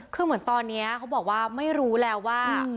คือเหมือนตอนนี้เขาบอกว่าไม่รู้แล้วว่า